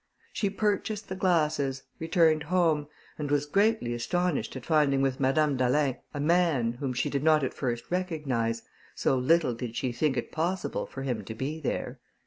She purchased the glasses, returned home, and was greatly astonished at finding with Madame d'Alin a man, whom she did not at first recognize, so little did she think it possible for him to be there.